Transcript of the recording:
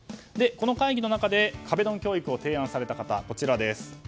この会議の中で壁ドン教育を提案された方